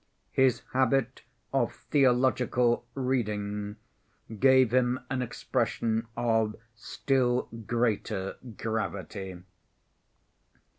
His habit of theological reading gave him an expression of still greater gravity.